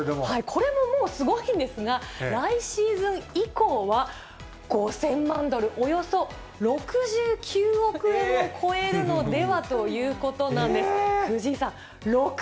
これももうすごいんですが、来シーズン以降は、５０００万ドル、およそ６９億円を超えるのではということなんです。